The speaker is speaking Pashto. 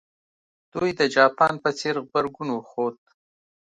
دوی د جاپان په څېر غبرګون وښود.